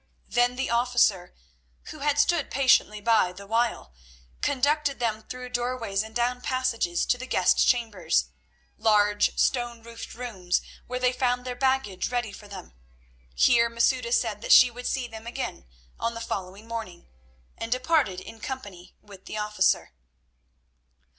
Then the officer, who had stood patiently by the while, conducted them through doorways and down passages to the guest chambers, large, stone roofed rooms, where they found their baggage ready for them. Here Masouda said that she would see them again on the following morning, and departed in company with the officer.